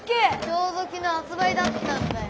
ちょうどきのうはつばいだったんだよ。